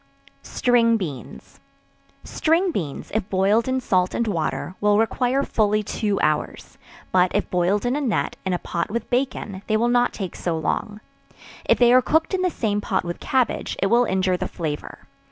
String Beans. String beans, if boiled in salt and water, will require fully two hours; but if boiled in a net, in a pot with bacon, they will not take so long; if they are cooked in the same pot with cabbage, it will injure the flavor.